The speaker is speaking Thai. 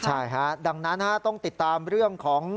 ใช่ฮะดังนั้นต้องติดตามเรื่องของ